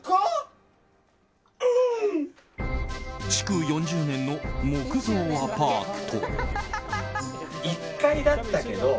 築４０年の木造アパート。